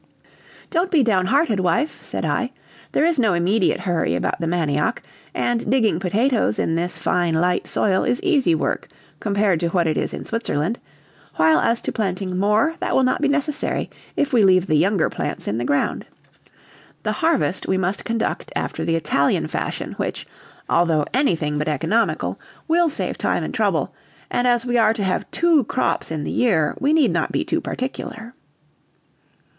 "Don't be down hearted, wife," said I; "there is no immediate hurry about the manioc, and digging potatoes in this fine, light soil is easy work compared to what it is in Switzerland, while as to planting more, that will not be necessary if we leave the younger plants in the ground. The harvest we must conduct after the Italian fashion, which, although anything but economical, will save time and trouble, and as we are to have two crops in the year, we need not be too particular."